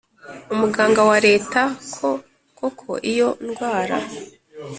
umuganga wa Leta ko koko iyo ndwara